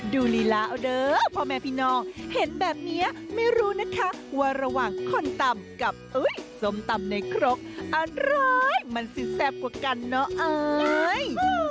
ลีลาเอาเด้อพ่อแม่พี่น้องเห็นแบบนี้ไม่รู้นะคะว่าระหว่างคนตำกับส้มตำในครกอะไรมันจะแซ่บกว่ากันเนาะเอ้ย